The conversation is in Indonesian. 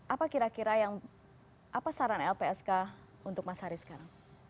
apa kira kira yang apa saran lpsk untuk mas haris sekarang